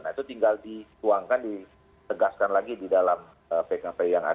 nah itu tinggal dituangkan ditegaskan lagi di dalam pkpi yang ada